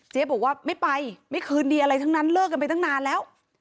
บอกว่าไม่ไปไม่คืนดีอะไรทั้งนั้นเลิกกันไปตั้งนานแล้ว